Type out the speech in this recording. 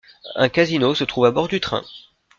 Un casino se trouve à bord du train.